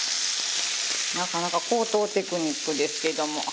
なかなか高等テクニックですけども。